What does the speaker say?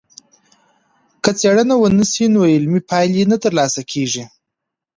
که څېړنه ونسي، نو علمي پايلې نه ترلاسه کيږي.